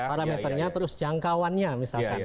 parameternya terus jangkauannya misalkan